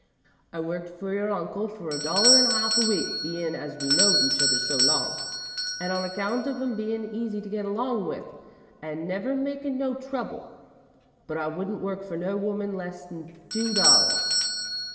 "I worked for your uncle for a dollar and a half a week, bein' as we'd knowed each other so long, and on account of 'im bein' easy to get along with and never makin' no trouble, but I wouldn't work for no woman for less 'n two dollars."